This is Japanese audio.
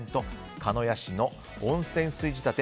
鹿屋市の温泉水仕立て！